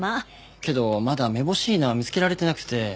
けどまだめぼしいのは見つけられてなくて。